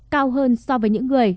cao hơn so với những người